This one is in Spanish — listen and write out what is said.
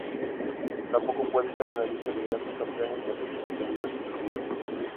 Tampoco puede estar en la lista de "Grandes Campeones" potenciales debido a su retiro.